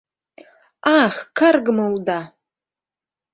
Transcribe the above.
— Ах, каргыме улыда!